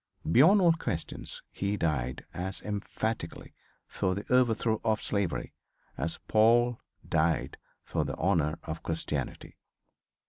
Beyond all question he died as emphatically for the overthrow of slavery as Paul died for the honor of Christianity.